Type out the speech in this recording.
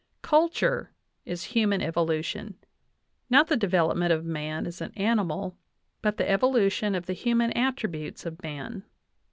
Culture is human evolution not the development of man as an animal, but the evolution of the human attributes of man.